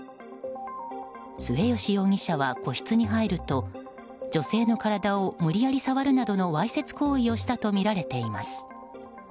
末吉容疑者は個室に入ると女性の体を無理やり触るなどのわいせつ行為をしたとみられています。